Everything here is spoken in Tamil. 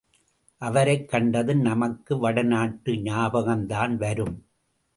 அவரைக் கண்டதும் நமக்கு வடநாட்டு ஞாபகம் தான் வரும்.